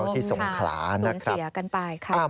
ที่ส่งขลานะครับสูญเสียกันไป